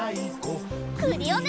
クリオネ！